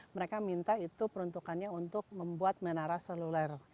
mereka minta itu peruntukannya untuk membuat menara seluler